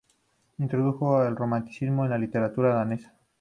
Introdujo el Romanticismo en la literatura danesa.